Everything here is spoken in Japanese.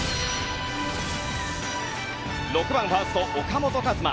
６番ファースト、岡本和真。